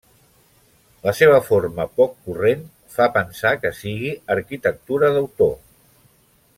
La seva forma poc corrent fa pensar que sigui arquitectura d'autor.